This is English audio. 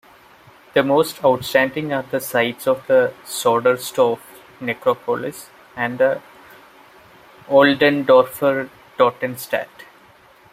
The most outstanding are the sites of the Soderstorf Necropolis and the Oldendorfer Totenstatt.